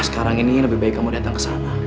sekarang ini lebih baik kamu datang ke sana